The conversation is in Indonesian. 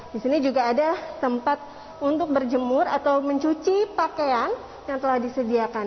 di sini juga ada tempat untuk berjemur atau mencuci pakaian yang telah disediakan